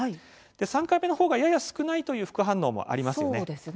３回目のほうがやや少ないという副反応もありますよね。